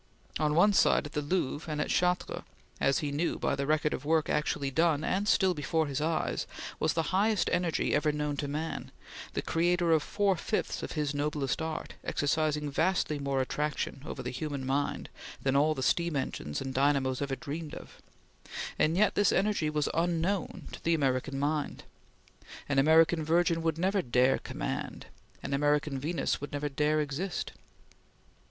On one side, at the Louvre and at Chartres, as he knew by the record of work actually done and still before his eyes, was the highest energy ever known to man, the creator of four fifths of his noblest art, exercising vastly more attraction over the human mind than all the steam engines and dynamos ever dreamed of; and yet this energy was unknown to the American mind. An American Virgin would never dare command; an American Venus would never dare exist.